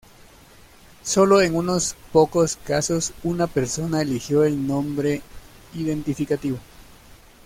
Sólo en unos pocos casos una persona eligió el nombre identificativo.